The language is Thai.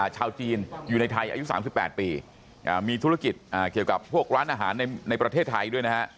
ชาวจีนอยู่ในไทยอายุ๓๘ปีมีธุรกิจเกี่ยวกับพวกร้านอาหารในประเทศไทยด้วยนะฮะ